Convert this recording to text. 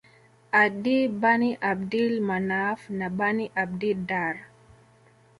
Adiyy Bani Abdil Manaaf na Bani Abdid Daar